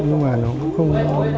nhưng mà nó cũng không